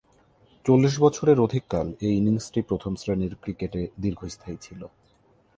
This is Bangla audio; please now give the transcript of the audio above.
চল্লিশ বছরের অধিককাল এ ইনিংসটি প্রথম-শ্রেণীর ক্রিকেটে দীর্ঘস্থায়ী ছিল।